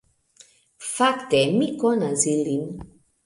Fakte, mi konas ilin